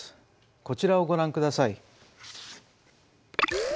こちらをご覧ください。